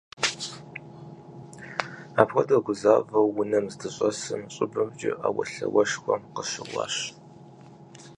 Апхуэдэу гузавэу унэм здыщӏэсым, щӏыбымкӏэ Ӏэуэлъауэшхуэ къыщыӀуащ.